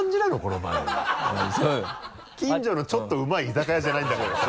近所のちょっとうまい居酒屋じゃないんだからさ。